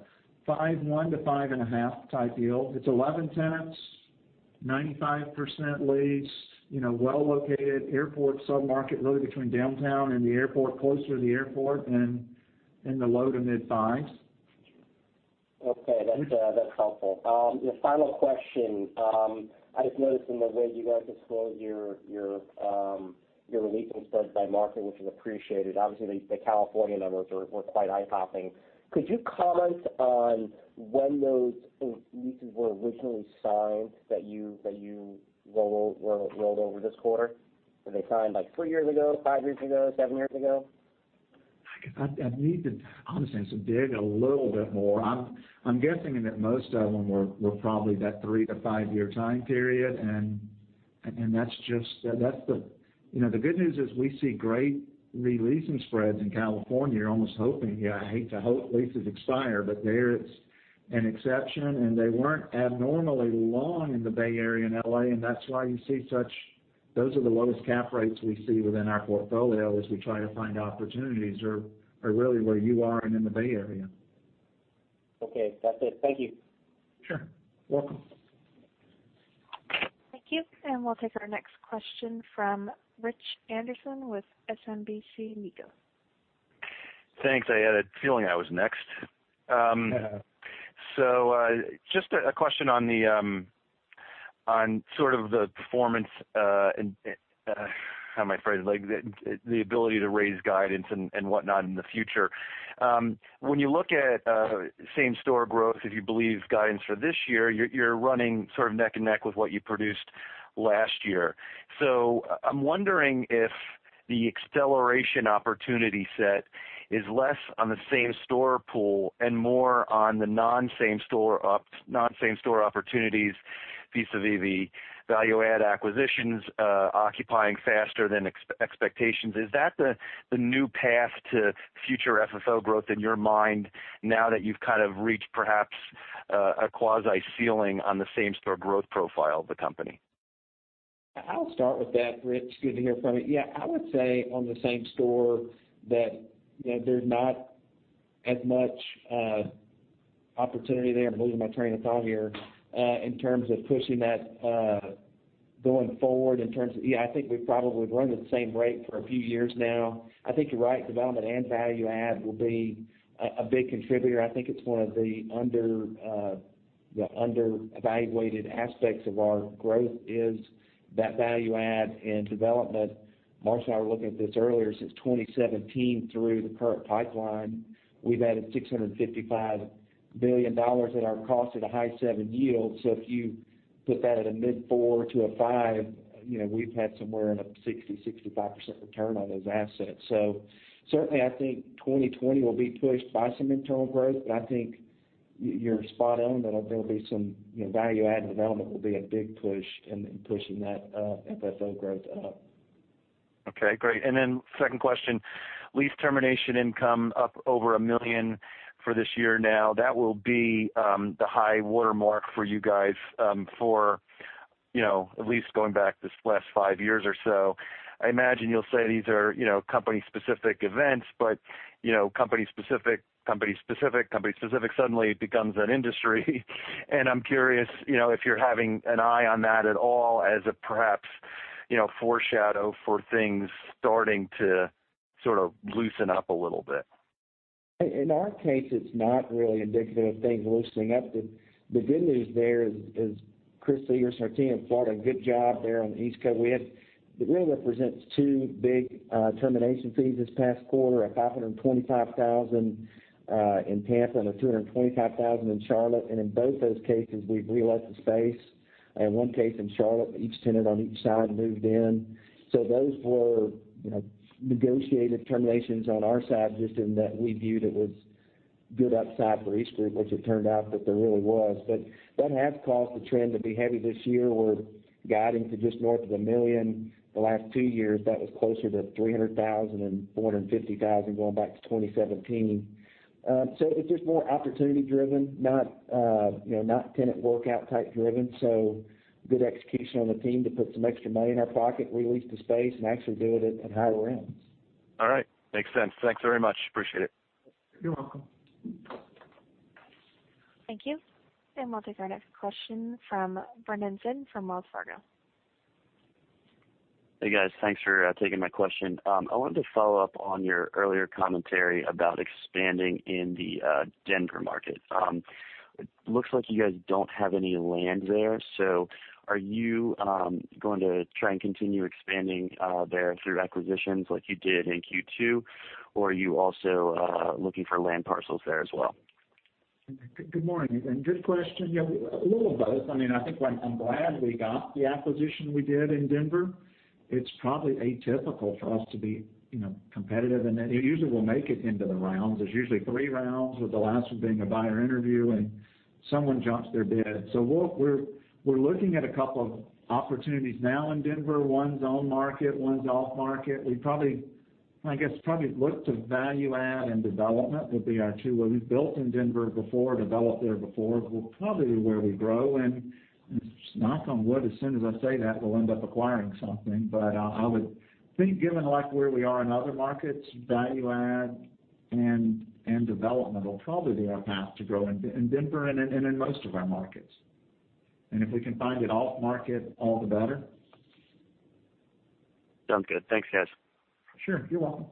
5.1-5.5 type yield. It's 11 tenants, 95% leased, well-located, airport sub-market, really between downtown and the airport, closer to the airport, and in the low to mid fives. That's helpful. The final question. I just noticed in the way you guys disclose your leasing spreads by market, which is appreciated. Obviously, the California numbers were quite eye-popping. Could you comment on when those leases were originally signed, that you rolled over this quarter? Were they signed like three years ago, five years ago, seven years ago? I'd need to, honestly, dig a little bit more. I'm guessing that most of them were probably that three to five-year time period. The good news is we see great re-leasing spreads in California. You're almost hoping I hate to hope leases expire, but there it's an exception. They weren't abnormally long in the Bay Area and L.A. Those are the lowest cap rates we see within our portfolio as we try to find opportunities, are really where you are and in the Bay Area. Okay, that's it. Thank you. Sure. Welcome. Thank you. We'll take our next question from Rich Anderson with SMBC Nikko. Thanks. I had a feeling I was next. Just a question on sort of the performance, how might I phrase it, the ability to raise guidance and whatnot in the future. When you look at same-store growth, if you believe guidance for this year, you're running sort of neck and neck with what you produced last year. So I'm wondering if the acceleration opportunity set is less on the same-store pool and more on the non-same-store opportunities vis-a-vis the value-add acquisitions occupying faster than expectations. Is that the new path to future FFO growth in your mind now that you've kind of reached perhaps a quasi-ceiling on the same-store growth profile of the company? I'll start with that, Rich. Good to hear from you. Yeah, I would say on the same store that there's not as much opportunity there. I'm losing my train of thought here. In terms of pushing that going forward, I think we've probably run at the same rate for a few years now. I think you're right, development and value add will be a big contributor. I think it's one of the under-evaluated aspects of our growth is that value add and development. Marshall and I were looking at this earlier, since 2017 through the current pipeline, we've added $655 million at our cost at a high 7% yield. If you put that at a mid 4%-5%, we've had somewhere in a 60%-65% return on those assets. Certainly, I think 2020 will be pushed by some internal growth, but I think you're spot on that value add and development will be a big push in pushing that FFO growth up. Okay, great. Second question. Lease termination income up over $1 million for this year now. That will be the high watermark for you guys for at least going back this last five years or so. I imagine you'll say these are company-specific events, company-specific suddenly becomes an industry and I'm curious if you're having an eye on that at all as a perhaps foreshadow for things starting to sort of loosen up a little bit. In our case, it's not really indicative of things loosening up. The good news there is Chris Segrest and our team have brought a good job there on the East Coast. It really represents two big termination fees this past quarter of $525,000 in Tampa and a $225,000 in Charlotte. In both those cases, we re-let the space. In one case in Charlotte, each tenant on each side moved in. Those were negotiated terminations on our side, just in that we viewed it was good upside for EastGroup, which it turned out that there really was. That has caused the trend to be heavy this year. We're guiding to just north of $1 million. The last two years, that was closer to $300,000 and $450,000 going back to 2017. It's just more opportunity-driven, not tenant-workout-type-driven. Good execution on the team to put some extra money in our pocket, re-lease the space, and actually do it at higher rents. All right. Makes sense. Thanks very much. Appreciate it. You're welcome. Thank you. We'll take our next question from Brendan Finn from Wells Fargo. Hey, guys. Thanks for taking my question. I wanted to follow up on your earlier commentary about expanding in the Denver market. It looks like you guys don't have any land there, so are you going to try and continue expanding there through acquisitions like you did in Q2, or are you also looking for land parcels there as well? Good morning, good question. Yeah, a little of both. I think I'm glad we got the acquisition we did in Denver. It's probably atypical for us to be competitive, and usually we'll make it into the rounds. There's usually three rounds, with the last one being a buyer interview, and someone drops their bid. We're looking at a couple of opportunities now in Denver. One's on-market, one's off-market. I guess probably look to value add and development will be our two. Well, we've built in Denver before, developed there before, will probably be where we grow. Knock on wood, as soon as I say that, we'll end up acquiring something. I would think given like where we are in other markets, value add and development will probably be our path to grow in Denver and in most of our markets. If we can find it off-market, all the better. Sounds good. Thanks, guys. Sure. You're welcome.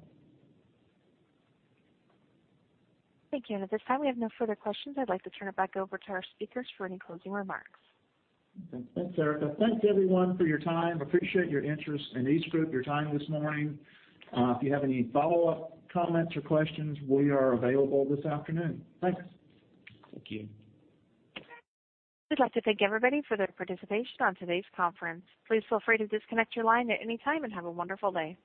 Thank you. At this time, we have no further questions. I'd like to turn it back over to our speakers for any closing remarks. Thanks, Erica. Thanks, everyone for your time. Appreciate your interest in EastGroup, your time this morning. If you have any follow-up comments or questions, we are available this afternoon. Thanks. Thank you. We'd like to thank everybody for their participation on today's conference. Please feel free to disconnect your line at any time, and have a wonderful day.